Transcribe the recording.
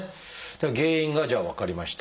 原因がじゃあ分かりました。